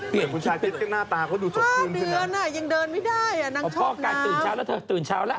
เปลี่ยนเป็น๕เดือนน่ะยังเดินไม่ได้นางชอบน้ำโอ้โฮพ่อการตื่นเช้าแล้วเถอะ